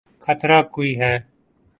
خطرہ کوئی ہے۔